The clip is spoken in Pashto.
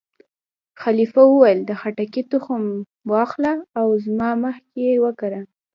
خلیفه وویل: د خټکي تخم وا اخله او زما مخکې یې وکره.